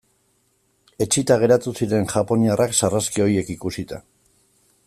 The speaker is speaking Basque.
Etsita geratu ziren japoniarrak sarraski horiek ikusita.